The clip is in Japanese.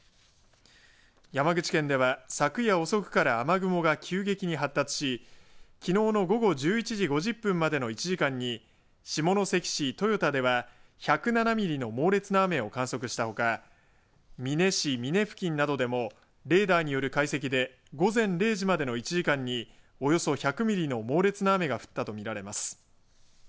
山口県では昨夜遅くから雨雲が急激に発達しきのうの午後１１時５０分までの１時間に下関市豊田では１０７ミリの猛烈な雨を観測したほか美祢市美祢付近などでもレーダーによる解析で午前０時までの１時間におよそ１００ミリの猛烈な雨が降ったと見られます。